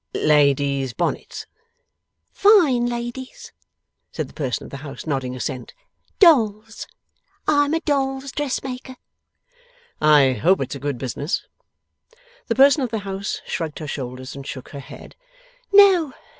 'Ladies' bonnets?' 'Fine ladies',' said the person of the house, nodding assent. 'Dolls'. I'm a Doll's Dressmaker.' 'I hope it's a good business?' The person of the house shrugged her shoulders and shook her head. 'No.